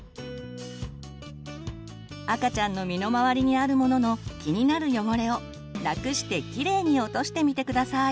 赤ちゃんの身の回りにあるものの気になる汚れをラクしてキレイに落としてみて下さい。